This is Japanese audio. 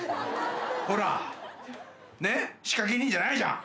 ほら、ね、仕掛け人じゃないじゃん。